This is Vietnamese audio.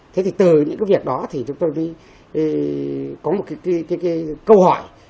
thế thì từ những cái việc đó thì chúng tôi mới có một cái câu hỏi